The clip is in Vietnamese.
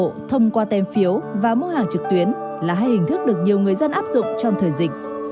đi chợ hộ thông qua tem phiếu và mua hàng trực tuyến là hai hình thức được nhiều người dân áp dụng trong thời dịch